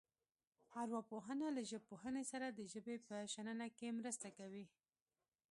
ارواپوهنه له ژبپوهنې سره د ژبې په شننه کې مرسته کوي